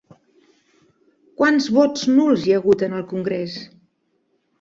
Quants vots nuls hi ha hagut en el congrés?